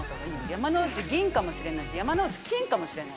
山之内銀かもしれないし、山之内金かもしれない。